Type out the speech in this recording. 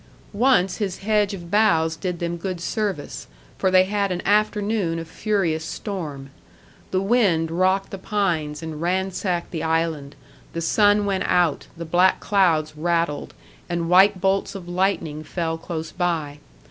Once his hedge of boughs did them good service, for they had an afternoon of furious storm. The wind rocked the pines and ransacked the island, the sun went out, the black clouds rattled, and white bolts of lightning fell close by.